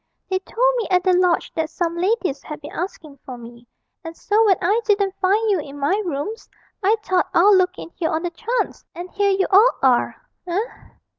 They told me at the lodge that some ladies had been asking for me, and so when I didn't find you in my rooms, I thought I'd look in here on the chance and here you all are, eh?'